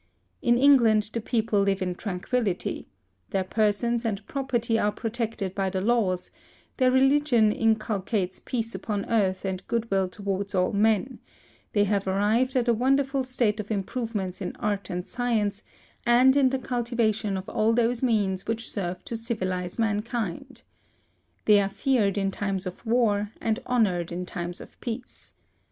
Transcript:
In England, the people live in tranquility; their persons and property are protected by the laws; their religion inculcates peace upon earth and good will towards all men; they have arrived at a wonderful state of improvement in arts and science, and in the cultivation of all those means which serve to civilize mankind. They are feared in times of war, and honored in times of peace.